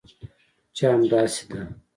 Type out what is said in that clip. چې همداسې ده؟